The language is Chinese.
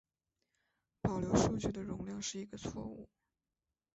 保留数据的容量是一个错误。